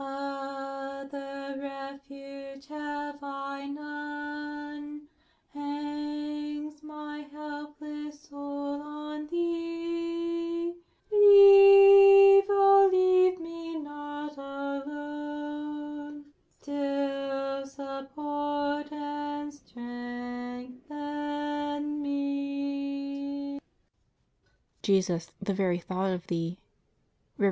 2. Other refuge have I none, Hangs my helpless soul on Thee, Leave, oh, leave me not alone, Still support and strengthen me. Jesus, the Very Thought of Thee (REV. E.